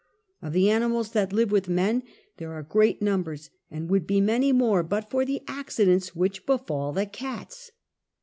Of the animals that live with men there are great numbers, and would be many more but for the accidents which befall the cats.